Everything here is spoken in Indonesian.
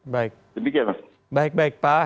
baik baik baik pak